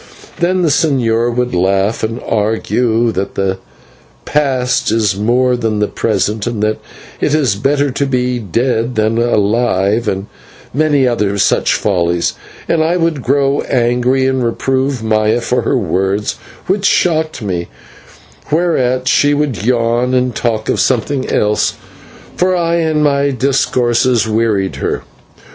Then the señor would laugh, and argue that the past is more than the present, and that it is better to be dead than alive, and many other such follies; and I would grow angry and reprove Maya for her words, which shocked me, whereat she would yawn, and talk of something else, for I and my discourses wearied her.